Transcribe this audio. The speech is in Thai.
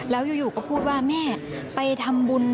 แล้วอยู่ก็พูดว่าแม่ไปทำบุญ